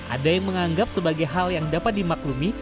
ada yang menganggap sebagai hal yang dapat dimaklumi